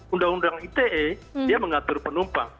undang undang ite dia mengatur penumpang